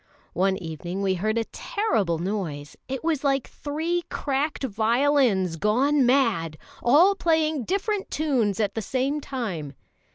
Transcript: One evening we heard a terrible noise; it was like three cracked violins gone mad, all playing different tunes at the same time.